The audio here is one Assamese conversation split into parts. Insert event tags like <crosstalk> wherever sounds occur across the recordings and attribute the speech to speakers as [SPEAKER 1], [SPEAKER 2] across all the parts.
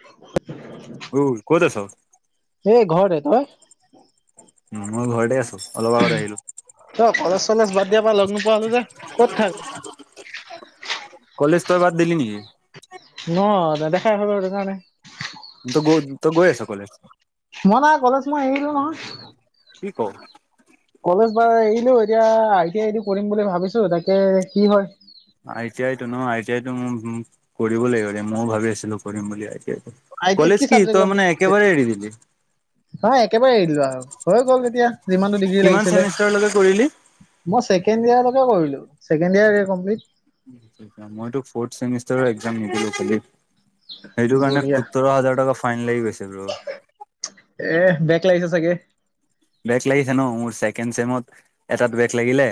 [SPEAKER 1] <inaudible>
[SPEAKER 2] উ ক'ত আছ
[SPEAKER 1] এই ঘৰ এ তই
[SPEAKER 2] উ মই ঘৰতে আছো অলপ আগতে আহিলো
[SPEAKER 1] ত কলেজ চলেজ বাদিয়া লগ ন কালো যে ক'ত থাক
[SPEAKER 2] কলেজ তই বাদ দিলি নেকি?
[SPEAKER 1] ন নেদেখাই হয় বাৰু সেই কাৰণে
[SPEAKER 2] ত গ ত গৈ আছ কলেজ
[SPEAKER 1] মই নাই কলেজ মই এৰিলো নহয়
[SPEAKER 2] কি ক
[SPEAKER 1] কলেজ বা এৰিলো এতিয়া আই টি আইটি কৰিম বুলি ভাবিছো তাকে কি হয়
[SPEAKER 2] আই টি আই নো আই টি আইতো ম কৰিব লাগিব ময়ও ভি আছিলো কৰিম বুলি আই টি আইো
[SPEAKER 1] আই
[SPEAKER 2] কলেজ কি তই মানে একেবাৰে এৰি দিলি
[SPEAKER 1] হয় একেবাৰে এৰি দিলো আৰু হৈ গ'ল তেতিয়া যিমানটো ডিগ্ৰী
[SPEAKER 2] কিমান
[SPEAKER 1] লাগিছিলে
[SPEAKER 2] চেমিষ্টাৰলৈকে কৰিলি?
[SPEAKER 1] মই ছেকেণ্ড ইয়েৰকে কৰিলো ছেকেণ্ড ইয়াৰ কম্পিলিত
[SPEAKER 2] মই ফেমষ্টাৰৰ একাম নিদিলো খালি সেইটো কাৰণে
[SPEAKER 1] বঢ়িয়া
[SPEAKER 2] সোতৰ হাজাৰ টকা ফাইন লাগি গৈছে ব
[SPEAKER 1] এ বেগ লাগিছে চাগে
[SPEAKER 2] বেগ লাগিছে ন মোৰ ছেকেণ্ড চমত এটাত বেগ লাগিলে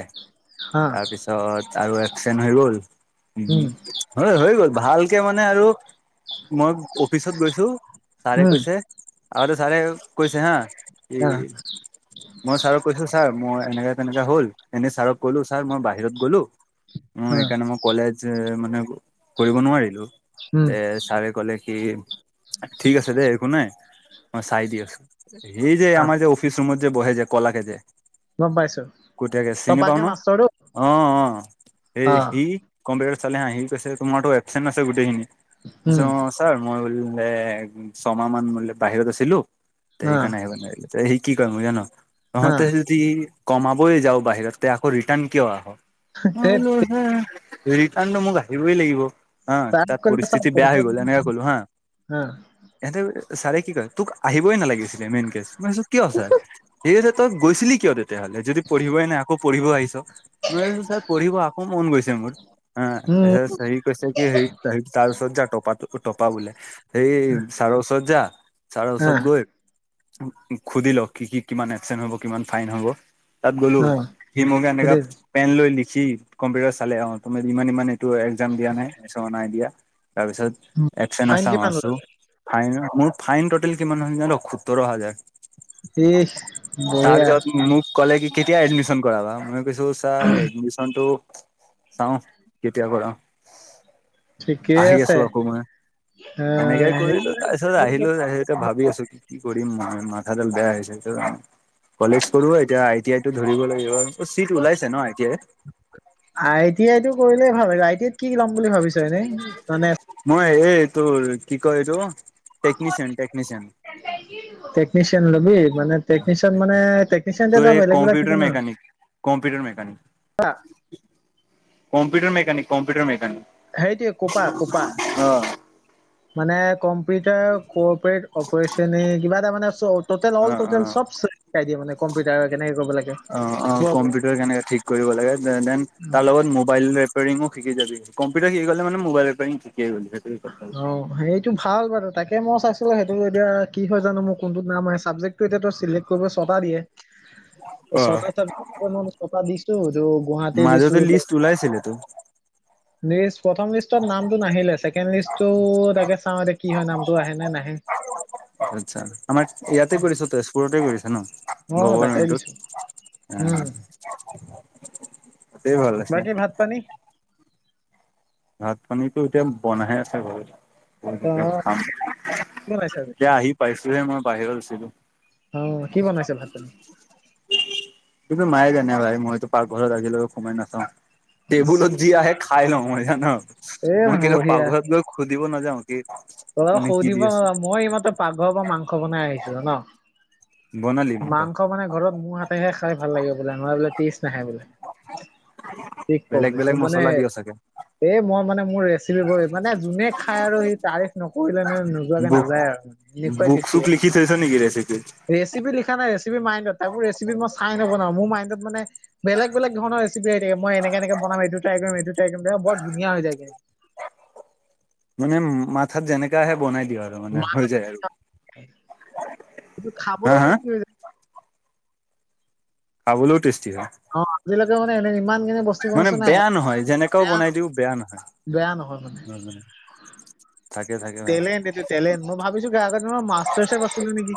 [SPEAKER 1] হা
[SPEAKER 2] তাৰ পিছত আৰু এক্সিডেণ্ট হৈ গল উম হয় হৈ গল ভালকে মানে আৰু মই অফিচত গৈছো ছাৰে
[SPEAKER 1] উম
[SPEAKER 2] কৈছে আৰুদ চাৰে কৈছে হা
[SPEAKER 1] হা
[SPEAKER 2] এই মই ছাৰক কৈছো ছাৰ মই এনেককা তেনেকা হল এনেই ছাৰক কলো ছাৰ মই বাহিৰত গ'লো অ
[SPEAKER 1] হা
[SPEAKER 2] সেইকাৰণে মই কলেজ মানে কৰিব নোৱাৰিলো
[SPEAKER 1] উম
[SPEAKER 2] তে ছাৰে কলে কি ঠিক আছে দেেই একো নাই মই চাই দি আছো এই যে
[SPEAKER 1] হা
[SPEAKER 2] আাৰ যে অফিচ ৰৰুমত যে বহে যে কলাাকে যে
[SPEAKER 1] গম পাইছো
[SPEAKER 2] কটীয়াকে চিনি পাও
[SPEAKER 1] তপাকে
[SPEAKER 2] ন
[SPEAKER 1] মাষ্টৰটো
[SPEAKER 2] অ অ এই
[SPEAKER 1] অ
[SPEAKER 2] সি কম্পউটাৰ চালে হা কৈছে তোমাৰো ৱবেন্ট আছে গোেইিনি নি
[SPEAKER 1] উম
[SPEAKER 2] ছাৰ মই বো ছমাহ মান ব-বাহিৰত আছিলোঁ ত'
[SPEAKER 1] হা
[SPEAKER 2] সেইকাৰণে আহিব নোৱাৰিলোঁ। কি কয় মোক জান'
[SPEAKER 1] হা
[SPEAKER 2] তহতে যদি কমাবই যাওঁ বাহিৰত আকৌ ৰিটাৰ্ণ কিয় আহ? মই বোলো
[SPEAKER 1] ফাইন
[SPEAKER 2] চাৰ ৰিটাৰ্ণটো মোক আহিবই লাগিব। হা, তাত
[SPEAKER 1] কিমান
[SPEAKER 2] পৰিস্থিতি বেয়া হৈ গ'ল, এনেকে ক'লো হা। এহতে ছাৰে কি কয় তোক আহিবই নালাগিছিলে মেইন কেছই মই কৈছোঁ কিয় ছাৰ সেই তই গৈ গৈছিলি কিয় তেতিয়াহ'লে যদি পঢ়িবই নাই আকৌ পঢ়িব আহিছ। মই ভাবিলোঁ ছাৰ পঢ়িব আকৌ মন গৈছে মোৰ হা, তাৰপিছত হেৰি কৈছে কি সেই তাৰ ওচৰত যা টপাটো, টপা বোলে সেই চাৰৰ ওচৰত যা, চাৰৰ ওচৰত গৈ সুধি ল' কি কি কিমান এপচেণ্ট হ'ব, কিমান ফাইন হ'ব, তাত গ'লো সি মোকে এনেকা পেন লৈ লিখি কম্পিউটাৰ চালে আ, তুমি ইমান ইমান এইটো এক্সাম দিয়া নাই, নাই দিয়া তাৰপিছত এবছেন আছা, আছো।
[SPEAKER 1] ওলালে?
[SPEAKER 2] ফাইন মোৰ ফাইন টোটেল কিমান হ'ল জান' সোতৰ হাজাৰ।
[SPEAKER 1] ইচ বঢ়িয়া
[SPEAKER 2] তাৰপিছত মোক কলে কি কেতিয়া এডমিশন কৰালা। মই কৈছো চাৰ এডমিশনটো চাওঁ কেতিয়া কৰাও,
[SPEAKER 1] ঠিকেই
[SPEAKER 2] আহি
[SPEAKER 1] আছে।
[SPEAKER 2] আছো আকৌ মই।
[SPEAKER 1] আহ
[SPEAKER 2] তেনেকে কৰিলো তাৰপিছত আহিলো এতিয়া ভাবি আছো কি কি কৰিম মই মাথাডাল বেয়া হৈছে। ত' কলেজ পঢ়িম এতিয়া আই টি আইটো ধৰিব লাগিব আৰু। চিট ওলাইছে ন' আইটি আইত?
[SPEAKER 1] আই টি আইটো কৰিলেই ভাল। এনে আই টি আইত কি ল'ম বুলি ভাবিছ এনে মানে?
[SPEAKER 2] মই এই তোৰ কি কয় এইতো টেকনিচিয়ন টেকনিচিয়ন।
[SPEAKER 1] টেকনিচিয়ান ল'বি মানে টেকনিচিয়ান মানে টেকনিচিয়ান যওঁ বেলেগ বিলাক থিক ন'?
[SPEAKER 2] Computer mechanic, computer mechanic computer mechanic.
[SPEAKER 1] সেইটোৱে কোপা কোপা। মানে কম্পিউটাৰ কপাৰেট, অপাৰেচনে কিবা এটা মানে ট'টেল
[SPEAKER 2] অ
[SPEAKER 1] অল
[SPEAKER 2] অ অ
[SPEAKER 1] ট'টেল চব চাই দিয়ে মানে কম্পিউটাৰ কেনেক কৰিবা লাগে।
[SPEAKER 2] অ', অ' কম্পিউটাৰ কেনেকে ঠিক কৰিব লাগে, দেন তাৰলগত মোাইল ৰিপাৰিঙো শিকি যাবি। কম্পউটাৰ শিক গ'লে মানে মোবাইল ৰিপয়াৰিং শিকি গ'লি। সেইটোৱে কথা
[SPEAKER 1] অ' সেইটো ভাল বাৰু তাকে মই চাইছিলো সেইটো এতিয়া কি হয় জানো, মোৰ কোনটোত নাম আহে, চাবজেক সেইটো এতিয়া তোৰ চিলেক্ট কৰিবলৈ ছয়টা দিয়ে
[SPEAKER 2] অ
[SPEAKER 1] ছয়টা টো ধৰ গুৱাহাটীৰ
[SPEAKER 2] মাজতে
[SPEAKER 1] দিছো
[SPEAKER 2] লিষ্ট ওলাইছিলেতো
[SPEAKER 1] লিষ্ট প্ৰথম লিষ্টত নামটো নাহিলে, চেকে চেকেণ্ড লিষ্টটো তাকে চাওঁ এতিয়া কি হয় নামটো আহে নে নাহে।
[SPEAKER 2] আচ্ছা আমাৰ ইয়াতে কৰিছ তে-তেজপুৰতে কৰিছে ন'
[SPEAKER 1] অ' তাতে
[SPEAKER 2] গভমেন্টত।
[SPEAKER 1] দিছো
[SPEAKER 2] উম।
[SPEAKER 1] বাকী ভাত পানী?
[SPEAKER 2] ভাত পানীটো এতিয়া বনাহে আছে ঘৰত।
[SPEAKER 1] অ'
[SPEAKER 2] খাম।
[SPEAKER 1] কি বনাইছে আজি
[SPEAKER 2] এতিয়া আহি পাইছোহে, মই বাহিৰত আছিলো।
[SPEAKER 1] অ' কি বনাইছে ভাত পানী
[SPEAKER 2] সেইটো মায়ে জনে ভাই, মইতো পাক ঘৰত সোঁমাই নাচাওঁ।
[SPEAKER 1] ইছ,
[SPEAKER 2] টেবুলত যি আহে খাই লওঁ মই জান,
[SPEAKER 1] এ
[SPEAKER 2] মই কি পাক
[SPEAKER 1] বঢ়িয়া
[SPEAKER 2] ঘৰ গৈ সুধিব নাযাও কি
[SPEAKER 1] তই
[SPEAKER 2] মানে কি দি
[SPEAKER 1] সুধিব
[SPEAKER 2] আছে
[SPEAKER 1] নোৱাৰ, মই ইমাত্ৰ পাকঘৰত গৈ মাংস বনাই আহিছো জান'। মাংস মানে ঘৰত মোৰ হাতেহে খাই ভাল লাগে বোলে নহয় বোলে টেষ্ট নাহে বোলে। শিক
[SPEAKER 2] বেলেগ
[SPEAKER 1] কৈছে
[SPEAKER 2] বেলেগ
[SPEAKER 1] মানে
[SPEAKER 2] মছলা দিয় চাগে
[SPEAKER 1] এ, মই মানে মোৰ ৰেচিপি ব মানে যোনে খাই আৰু সি তাৰে নকৰিলে মে নোযোৱাকে
[SPEAKER 2] বুক
[SPEAKER 1] নাযায় আৰু মানে এনেকুৱাই
[SPEAKER 2] বুক
[SPEAKER 1] টেষ্টি
[SPEAKER 2] চুক
[SPEAKER 1] বনওঁ।
[SPEAKER 2] লিখি থৈছ নেকি ৰেচিপিত
[SPEAKER 1] ৰেচিপি লিখা নাই ৰেচিপ মাইনডত তাকো ৰেচেপিত মই চাই নবনাও, মোৰ মাইণ্ডত মানে বেলেগ ধৰণৰ ৰেচি হৈ থাকে মই এনে এনেকে বনাম, এইটো টাই কৰিমটো, টাই কৰিম বৰ ধুনীয়া হৈ যায়গে।
[SPEAKER 2] মানে মাথাত যেনেকা আহে বনাই দিয় আৰু। মানে
[SPEAKER 1] মা-
[SPEAKER 2] হৈ যায় আৰু,
[SPEAKER 1] কিন্তু
[SPEAKER 2] হা
[SPEAKER 1] খাবলৈও
[SPEAKER 2] হা
[SPEAKER 1] টেষ্টি হৈ যায়
[SPEAKER 2] খাবলৈও টেষ্টি হয়।
[SPEAKER 1] অ', আজিলৈকে মান এনে ইমান খিনি বস্তু
[SPEAKER 2] মানে
[SPEAKER 1] বনাইছো নাই
[SPEAKER 2] বেয়া নহয়, যেনেকাও
[SPEAKER 1] বেয়া
[SPEAKER 2] বনাই
[SPEAKER 1] নহয়
[SPEAKER 2] দিওঁ বেয়া নহয়,
[SPEAKER 1] বেয়া নহয় মানে
[SPEAKER 2] উম।
[SPEAKER 1] টেলেণ্ট, এইটো টেলেণ্ট, মই ভাবিছো আগত মই মাষ্টাৰচেফ আছিলো নেকি?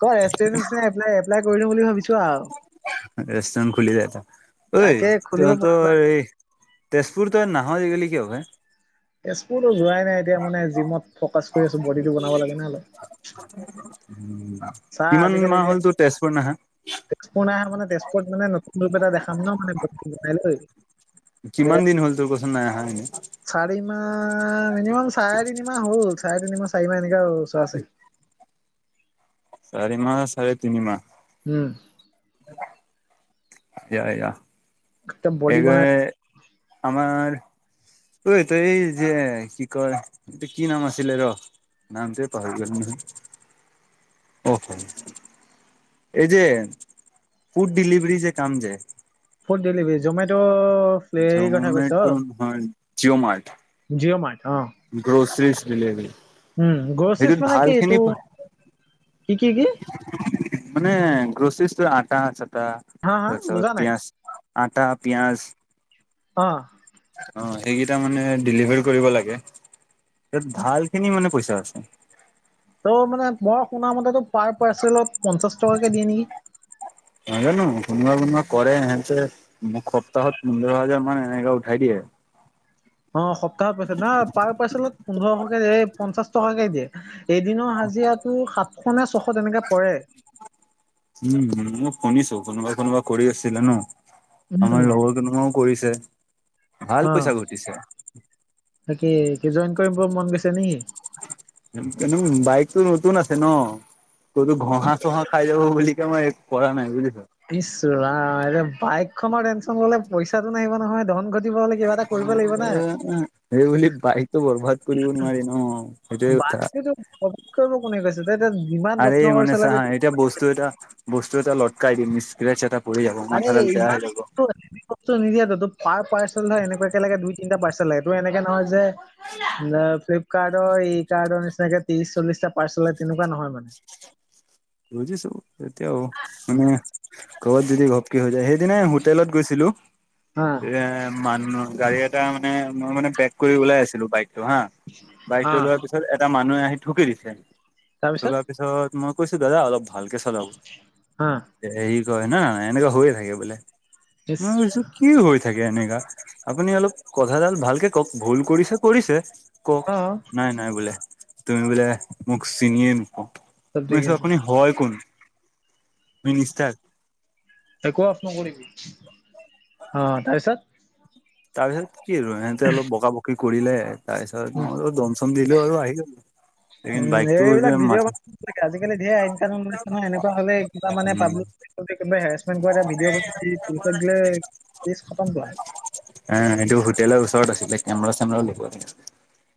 [SPEAKER 1] ক এক এ <unintelligible> এপ্লাই কৰি দিওঁ বুলি ভাবিছো আৰু।
[SPEAKER 2] ৰেষ্টোৰেণ্ট খুুলি দে, ঐ
[SPEAKER 1] তাকে খুলিব পৰা যায়
[SPEAKER 2] তহঁতৰ তেজপুৰ তই নাহা আজিকালি কিয় বে?
[SPEAKER 1] তেজপুৰতো যোৱাই নাই, এতিয়া মানে জিমত ফ'কাচ কৰি আছো বডিটো বনাব লাগে ন'।
[SPEAKER 2] কিমান মাহ হ'ল তোৰ তেজপুৰ নাহা?
[SPEAKER 1] তেজপুৰ নাহা মানে তেজপুৰত মানে নতুন ৰূপ এটা দেখাম ন' মানে বনাই লৈ। এ
[SPEAKER 2] কিমান দিন হ'ল তোৰ কচোন নাই অহা এনে?
[SPEAKER 1] চাৰি মাহ মিনিমাম চাৰে তিনিমাহ হ'ল, চাৰে তিনিমাহ চাৰি মাহ এনেকা আৰু উচৰা-উচৰি।
[SPEAKER 2] চাৰি মাহ চাৰে তিনিমাহ
[SPEAKER 1] উম।
[SPEAKER 2] <inaudible> যা যা
[SPEAKER 1] একদম বডি
[SPEAKER 2] এইব
[SPEAKER 1] বনাই
[SPEAKER 2] <unintelligible> আমাৰ ত এইটো, এই যে কি কয় এইটো কি নাম আছিলে ৰ' নামটোএ পাহৰিলো নহয়, অহ এই যে, ফুড ডিলিভৰি যে কাম যে
[SPEAKER 1] ফুড ডেলিভাৰী, জমেট হেৰি কথা
[SPEAKER 2] জমেট ন, জিঅ'মাৰ্ট।
[SPEAKER 1] জিঅমাৰ্ট অ'।
[SPEAKER 2] Groceries delivery.
[SPEAKER 1] উম, গ্ৰছাৰিছ
[SPEAKER 2] সেইটোত
[SPEAKER 1] মানে
[SPEAKER 2] ভাল
[SPEAKER 1] কি এইটো
[SPEAKER 2] খিনি
[SPEAKER 1] কি, কি, কি?
[SPEAKER 2] মানে গ্ৰচেৰিছ টো আটা চাটা
[SPEAKER 1] হা হা বুজা
[SPEAKER 2] তাৰপিছত
[SPEAKER 1] নাই
[SPEAKER 2] পিয়াজ, আটা, পিয়াজ
[SPEAKER 1] অ'।
[SPEAKER 2] অ', সেইকেইটা মানে ডেলিভাৰি কৰিব লাগে, তাত ভালখিনি মানে পইচা আছে।
[SPEAKER 1] ত' মানে মই শুনা মতেতো পাৰ পাৰ্চেলত পঞ্চাশ টকাকে দিয়ে নেকি?
[SPEAKER 2] নাজানো কোনোবাই কোনোবাই কৰে সিহঁতে দুসপ্তাহত পোন্ধৰ হাজাৰ মানে এনেকা উঠাই দিয়ে।
[SPEAKER 1] অ', সপ্তাহত পাইছে না, পাৰ পাৰ্চেলত পোন্ধৰশকে, এই পঞ্চাশ টকাকে দিয়ে। এদিনৰ হাজিৰাটো সাতশ নে ছশ তেনেকে পৰে।
[SPEAKER 2] উম, উম, শুনিছো, কোনোবাই কোনোবাই কৰিছিলে ন'?
[SPEAKER 1] উম
[SPEAKER 2] আমাৰ লগৰ কেইটামানেও কৰিছে, ভাল পইচা ঘটিছে।
[SPEAKER 1] তাত কি জইন কৰিব মন গৈছে নেকি?
[SPEAKER 2] বাইকটো নতুন আছে ন'। কতো ঘঁহা চহা খাই যাব বুলিকে মই একো কৰা নাই বুজিছা।
[SPEAKER 1] ইচ্ছ ৰাম, এতিয়া বাইকখনৰ টেনচন ল'লে পইচাটো নাহিব নহয়, ধন ঘ
[SPEAKER 2] এ এই বুলি বাইকতো বৰবাদ কৰিব নোৱাৰি ন'। সেইটোয়ে কথা
[SPEAKER 1] বাকী প্ৰ কৰিব <unintelligible> কোনে কৈছে যিমান
[SPEAKER 2] আৰে
[SPEAKER 1] যত্ন
[SPEAKER 2] মানে
[SPEAKER 1] কৰি
[SPEAKER 2] চা হা
[SPEAKER 1] চলাবি
[SPEAKER 2] এতিয়া বস্তু এটা, বস্তু এটা লটকাই দিম স্ক্ৰাচ এটা পৰি যাব,
[SPEAKER 1] আৰে
[SPEAKER 2] মাঠাডাল বেয়া হৈ
[SPEAKER 1] ইমান
[SPEAKER 2] যাব।
[SPEAKER 1] বস্তু নিদিয়াতো তোৰ পাৰ পাৰ্চেল হয় এনেকুৱা লাগে দুই তিনটা পাৰ্চেল লাগে, তোৰ এনেকে নহয় যে ফ্লিপকাৰ্টৰ, ই কাৰ্টৰ নিচিনাকে ত্ৰিশ চল্লিশটা পাৰ্চেল, তেনেকুৱা নহয় মানে।
[SPEAKER 2] বুজিছো, এতিয়া আৰু মানে ক'ৰবাত যদি ঘপকে হৈ যায়, সেইদিনাই হোটেলত গৈছিলো।
[SPEAKER 1] অ'।
[SPEAKER 2] এ মানুহ, গাড়ী এটা মানে মোৰ মানে বেগ কৰি ওলাই আছিলোঁ বাইকটো হা, বাইক টো
[SPEAKER 1] অ
[SPEAKER 2] ওলোৱাৰ পিছত এটা মানুহে আহি থুকি দিছে।
[SPEAKER 1] তাৰপিছত
[SPEAKER 2] থুকাৰ পিছত মই কৈছোঁ, দাদা অলপ ভালকে চলাওক।
[SPEAKER 1] অ
[SPEAKER 2] হেৰি কয় না, এনেকুৱা হৈয়েই থাকে বোলে, মই ভাবিছোঁ, কি হৈ থাকে এনেকা, আপুনি অলপ কথাডাল ভালকে কওঁক, ভুল কৰিছে কৰিছে। কওঁক,
[SPEAKER 1] অ
[SPEAKER 2] নাই নাই বোলে, তুমি বোলে মোক চিনিয়েই নোপোৱা।
[SPEAKER 1] চব
[SPEAKER 2] মই
[SPEAKER 1] ঠিকে
[SPEAKER 2] কৈছোঁ
[SPEAKER 1] আছে
[SPEAKER 2] আপুনি হয় কোন? মিনিষ্টাৰ
[SPEAKER 1] একো অফ নকৰিবি। অ', তাৰপিছত?
[SPEAKER 2] তাৰপিছত কি আৰু? সিহঁতে অলপ বগা বকি কৰিলে, তাৰপিছত
[SPEAKER 1] উ
[SPEAKER 2] মইও দম চম দিলোঁ আৰু আহিল গলোঁ।
[SPEAKER 1] উম, এইবিলাক ভিডিঅ' <unintelligible> আজিকালি ধেৰ আইন কানুন ওলাইছে নহয়, এনেকুৱা হ'লে, কিবা মানে পাব হেৰেছমেণ্ট কৰে, এটা ভিডিঅ' বনাই পুলিচত দিলে কেছ খতম তাৰ।
[SPEAKER 2] অহ, এইটো হোটেলৰ ওচৰত আছিলে, কেমেৰা চেমেৰা। <unintelligible>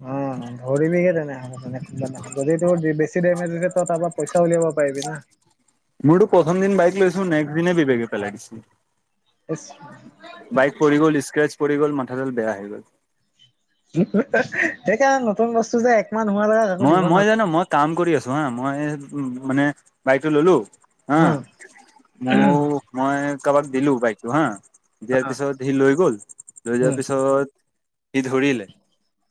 [SPEAKER 1] উম। ধৰিবিহে তেনে, যদি তোৰ বেছি ডেমেজ হৈছে তই তাৰপৰা পইচা উলিয়াব পাৰিবি না।
[SPEAKER 2] মোৰ প্ৰথম দিন বাইক লৈছোঁ, নেক্সট দিনাই বিবকে পেলাই দিছে।
[SPEAKER 1] এছ
[SPEAKER 2] বাইক পৰি গ'ল, স্ক্ৰেচ পৰি গ'ল, মাথাদাল বেয়া হৈ গ'ল।
[SPEAKER 1] হাঁ হাঁ, তেতিয়া নতুন বস্তু যে একমাহ নোহোৱালৈকে কাকো
[SPEAKER 2] মই,
[SPEAKER 1] দিব
[SPEAKER 2] মই
[SPEAKER 1] নালাগে
[SPEAKER 2] জানো, মই কাম কৰি আছো হা, মই মানে বাইকটো ল'লো। হা
[SPEAKER 1] অহ।
[SPEAKER 2] মোৰ, মই কাৰোবাক দিলোঁ বাইকটো হা। দিয়াৰ পিছত, সি লৈ গ'ল, লৈ যোৱাৰ পিছত সি ধৰিলে,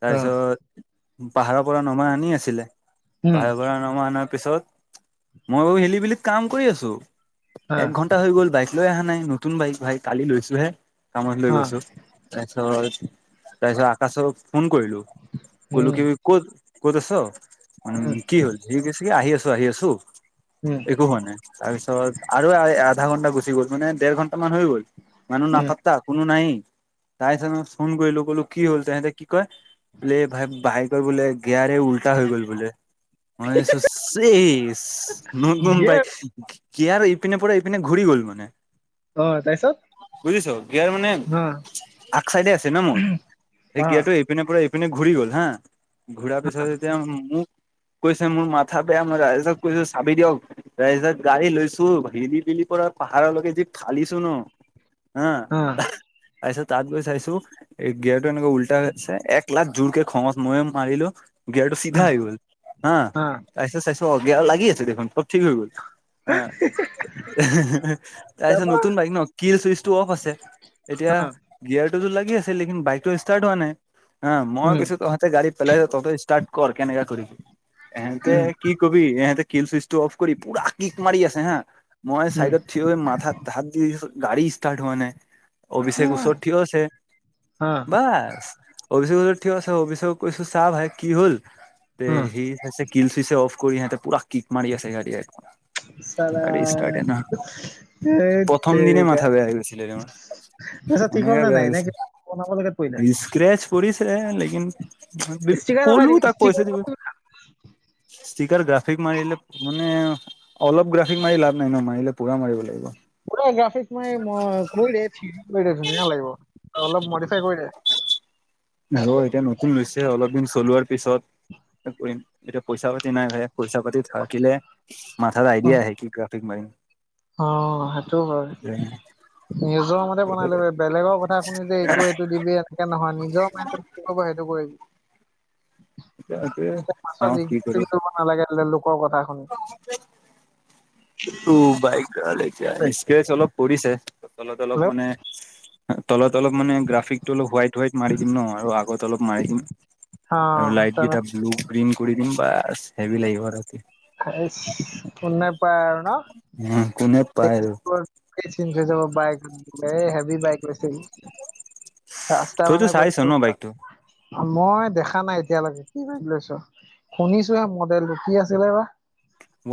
[SPEAKER 2] তাৰপিছত পাহাৰৰ পৰা নমাই আনি আছিলে। পাহাৰ পৰা নমাই অনাৰ পিছত, মই আৰু হেলি বেলিত কাম কৰি আছোঁ। এক ঘন্টা হৈ গ'ল, বাইক লৈ অহা নাই, নতুন বাইক ভাই কালি লৈছোঁহে, কামত লৈ গৈছোঁ। তাৰপিছত, তাৰপিছত আকাশক ফোন কৰিলোঁ, ক'লো কি? ক'ত ক'ত আছ? উম, কি হ'ল? সি কৈছে কি, আহি আছোঁ, আহি আছোঁ, একো হোৱা নাই। তাৰপিছত আৰু আধা ঘণ্টা গুচি গ'ল, মানে দেৰ ঘণ্টা মান হৈ গ'ল, মানুহ নাপাত্তা। কোনো নাই। তাৰ পিছত মই ফোন কৰিলোঁ, ক'লো কি হ'ল? তেঁহতে কি কয়? বোলে ভাই বাইকৰ বোলে গিয়াৰেই উল্টা হৈ গ'ল বোলে, মই ভাবিছোঁ শেষ, মই গম পাই গ্যাৰ ইপিনেৰ পৰা ইপিনে ঘূৰি গ'ল মানে।
[SPEAKER 1] অ', তাৰপিছত?
[SPEAKER 2] বুজিছোঁ, গিয়াৰ মানে আগ চাইডে আছে না মোৰ, সেই গিয়াৰটো ইপিনেৰ পৰা ইপিনে ঘূৰি গ'ল হা, ঘূৰা পিছত যেতিয়া মোক কৈছে, মোৰ মাথা বেয়া, মই ৰাইজক কৈছোঁ চাবি দিয়ক। তাৰপিছত গাড়ী লৈছোঁ, হিলি বিলিৰ পৰা পাহাৰলৈকে যি ফলিছোঁ ন। অহ। তাৰপিছত তাত গৈ চাইছোঁ, এই গিয়াৰটো এনেকে উল্টা হৈ আছে, এক লাখ জোৰকে খঙত ময়ে মাৰিলো গিয়াৰটো চিধা হৈ গ'ল হা। তাৰপিছত চাইছোঁ, অ', গিয়াৰদল লাগি আছে দেখোন, চব ঠিক হৈ গ'ল। অ', তাৰপিছত নতুন বাইক ন, কিৰ চুইচটো অফ আছে। এতিয়া গিয়াৰতোটো লাগি আছে, লেকিন বাইকটো ষ্টাৰ্ট হোৱা নাই, হা, মই কৈছোঁ তহঁ তে গাডী পেলাইছ তহতে ষ্টাৰ্ট কৰ কেনেকা কৰি, এহতে কি কবি, এহতে কি চুইচটো অফ কৰি পুৰা কিক মাৰি আছে হা, মই চাইডত থিয় হৈ মাথাত হাত দি আছোঁ, গাড়ী ষ্টাৰ্ট হোৱা নাই। অভিষেক ওচৰত ঠিয় আছে, বাচ অভিষেক ওচৰত ঠিয় আছে অভিষেক কৈছোঁ, চা ভাই, কি হ'ল? এই হেৰি সিচ কি চুইচটো অফ কৰি সিহঁতি পুৰা কিক মাৰি আছে।
[SPEAKER 1] চালা
[SPEAKER 2] গাড়ী ষ্টাৰ্তেই নহয়,
[SPEAKER 1] ধেৎ
[SPEAKER 2] প্ৰথম দিনেই
[SPEAKER 1] তেৰিকা
[SPEAKER 2] মাথা বেয়া গৈছিলে।
[SPEAKER 1] তাৰপিছত ঠিক হ'ল নে নাই
[SPEAKER 2] <unintelligible>
[SPEAKER 1] নে কিবা বনাব লগাত পৰিলা
[SPEAKER 2] স্ক্ৰেচ পৰিছে লকিন
[SPEAKER 1] ষ্টিকাৰ লগাই
[SPEAKER 2] ক'লো
[SPEAKER 1] দিবি
[SPEAKER 2] তাক
[SPEAKER 1] ষ্টিকাৰ
[SPEAKER 2] পইচা দিবি।
[SPEAKER 1] লগাই
[SPEAKER 2] স্পিককাৰ গ্ৰাফিক মাৰিলে মানে অলপ গ্ৰাফিক মাৰি লাভ নাই ন মাৰিলে পুৰা মাৰিব লাগিব।
[SPEAKER 1] পোৰা গ্ৰফিক মাৰি দে <unintelligible> ধুনীয়া লাগিব অলপ মডিফাই কৰি দে।
[SPEAKER 2] ৰহ এতিয়া নতুন লৈছে অলপ দিন চলোৱাৰ পিছত কৰিম। এতিয়া পইচা পাতি নাই ভাই পইচা পাতি থাকিলে। মাথাত
[SPEAKER 1] অ
[SPEAKER 2] আইডিয়া আহে কি গ্ৰাফিক মাৰিম।
[SPEAKER 1] অ' সেইটোও হয় নিজৰ মতে বনাই লবি। বেলেগৰ কথা শুনি যে এইটো এইটো দিবি এনকে নহয় নিজৰ মাইণ্ড কি হ'ব সেইটো কৰিবি। পাছত
[SPEAKER 2] চাওঁ কি
[SPEAKER 1] <unintelligible>
[SPEAKER 2] কৰো
[SPEAKER 1] কৰিব নালাগে লোকৰ কথা শুনি
[SPEAKER 2] <unintelligible> উ বাইক এতিয়া স্প্ৰেচ অলপ পৰিছে তলত অলপ
[SPEAKER 1] হেল্ল'
[SPEAKER 2] মানে। তলত অলপ মানে গ্ৰাফিক টো অলপ হোৱাইট হোৱাইট মাৰি দিম ন আৰু আগত অলপ মাৰি দিম।
[SPEAKER 1] অ
[SPEAKER 2] আৰু লাইট
[SPEAKER 1] তেনে
[SPEAKER 2] কেইটা ব্লু প্ৰিন্ট কৰি দিম বা হেভি লাগিব।
[SPEAKER 1] ইচ কোনে পায় আৰু ন।
[SPEAKER 2] উম, কোনে পায় আৰু
[SPEAKER 1] <unintelligible> হেভি বাইক লৈছিল। ৰাস্তা
[SPEAKER 2] তইতো
[SPEAKER 1] মানে
[SPEAKER 2] চাইছ ন বাইকটো
[SPEAKER 1] <unintelligible> মই দেখা নাই এতিয়ালৈকে কি বাইক লৈছোঁ। শুনিছো হে মডেলটো কি আছিলে বা?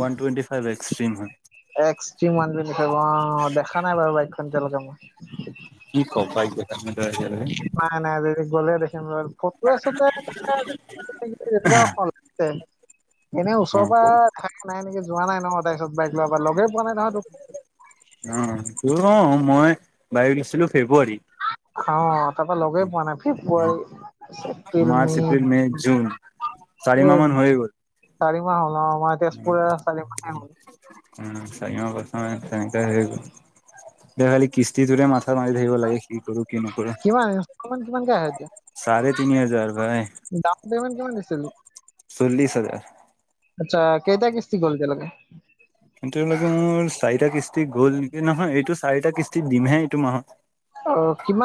[SPEAKER 2] ওৱান টুৱেণ্টি ফাইভ এক্সট্ৰিম হয়।
[SPEAKER 1] এক্সট্ৰিম ওৱান টুৱেন্টি ফাইভ অ' দেখা নাই বাৰু বাইকখন এতিয়ালৈকে মই।
[SPEAKER 2] কি ক'ৰ বাইক দেখা নাই এতিয়া লৈকে।
[SPEAKER 1] নাই নাই যদি গ'লে দেখিম ৰহ ফটোৱে চটোৱে <unintelligible> এনে
[SPEAKER 2] অ
[SPEAKER 1] ওচৰৰ
[SPEAKER 2] ক
[SPEAKER 1] পৰা থকা নাই নেকি যোৱা নাই নহ তাৰপিছত বাইক লোৱাৰ পৰা লগে পোৱা নাই নহয় তোক।
[SPEAKER 2] অ'বোলো মই বাইষ আছিলো ফেব্ৰুৱাৰীত
[SPEAKER 1] অ' তাৰপ পৰা লগেই পোৱা নাই ফেব্ৰুৱাৰী এপ্ৰিল
[SPEAKER 2] মাৰ্চ, এপ্ৰিল, জুন
[SPEAKER 1] মে
[SPEAKER 2] চাৰি মাহ মান হৈ গ'ল।
[SPEAKER 1] চাৰিমাহ হ'ল আমাৰ তেজপুৰৰে চাৰিমাহে হ'ল।
[SPEAKER 2] উম, চাৰিমাহ পাঁচমাহ তেনেকে হে দেৱালি কিস্তিটোৰে মাথা মাৰি ধাকিব লাগে কি কৰো কি নকোৰো।
[SPEAKER 1] কিমান ইনচটললমেন কিমান কে আহে এতিয়া
[SPEAKER 2] চাৰে তিনি হাজাৰ ভাই।
[SPEAKER 1] ডাউন পেমেণ্ট কিমান দিছিল?
[SPEAKER 2] চল্লিছ হাজাৰ।
[SPEAKER 1] আচ্ছা, কেইটা কিস্তি গ'ল এতিয়া লৈকে।
[SPEAKER 2] এতিয়ালৈকে মোৰ চাৰিটা কিস্তি গ'ল নেকি, নহয় এইটো চাৰিটা কিস্তি দিমহে এইটো মাহত।
[SPEAKER 1] অ' কিমান